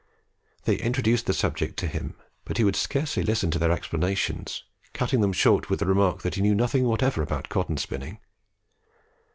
They introduced the subject to him, but he would scarcely listen to their explanations, cutting them short with the remark that he knew nothing whatever about cotton spinning.